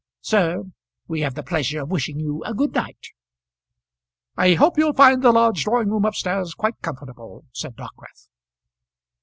Sir, we have the pleasure of wishing you a good night." "I hope you'll find the large drawing room up stairs quite comfortable," said Dockwrath.